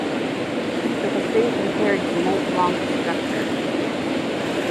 It has been compared to Mont Blanc's structure.